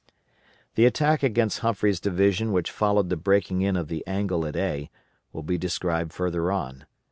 The attack against Humphreys' division which followed the breaking in of the angle at A will be described further on.